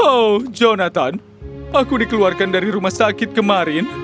oh jonathan aku dikeluarkan dari rumah sakit kemarin